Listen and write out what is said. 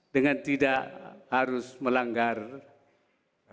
dan juga mengembalikan mereka untuk mendukung melaksanakan dan memberikan keadaan yang terbaik